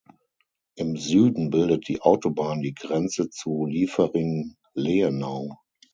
Im Süden bildet die Autobahn die Grenze zu Liefering-Lehenau.